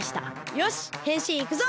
よしへんしんいくぞ！